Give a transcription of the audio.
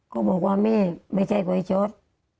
เขาบอกว่าไม่ไม่ใช่ไกลช็อต